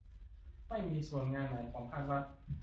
ไม่มีส่วนงานไหนของภาครัฐ